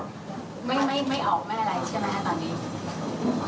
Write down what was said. ไม่ออกไม่อะไรใช่ไหมครับตอนนี้